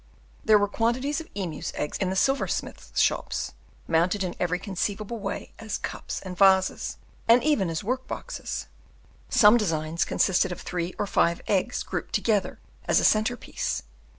There were quantities of emus' eggs in the silversmiths' shops, mounted in every conceivable way as cups and vases, and even as work boxes: some designs consisted of three or five eggs grouped together as a centre piece.